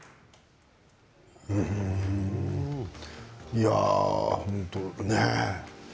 いやあ、本当ねえ。